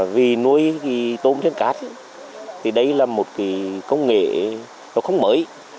vì nuôi tôm trên cát thì đây là một công nghệ không mới